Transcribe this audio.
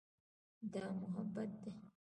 دا محبت ده.